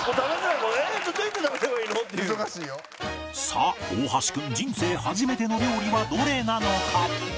さあ大橋君人生初めての料理はどれなのか？